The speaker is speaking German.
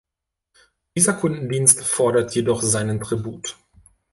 Dieser Kundendienst fordert jedoch seinen Tribut.